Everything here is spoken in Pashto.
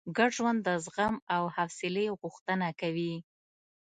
ګډ ژوند د زغم او حوصلې غوښتنه کوي.